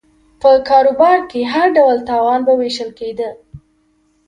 په کاروبار کې هر ډول تاوان به وېشل کېده